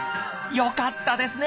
よかったですね！